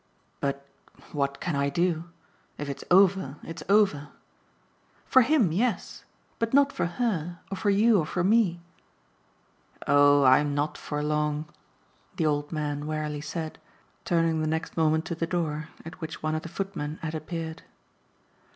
"But what can I do? If it's over it's over." "For HIM, yes. But not for her or for you or for me." "Oh I'm not for long!" the old man wearily said, turning the next moment to the door, at which one of the footmen had appeared.